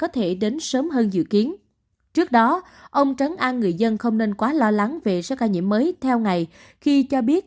trước đó ông trấn an người dân không nên quá lo lắng về số ca nhiễm mới theo ngày khi cho biết